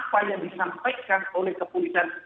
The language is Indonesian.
apa yang disampaikan oleh kepolisian